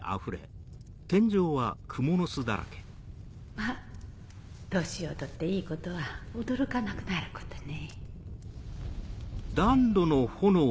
まっ年を取っていいことは驚かなくなることね。